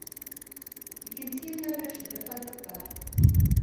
— Икенсе йүнәлеш — вертолеттар.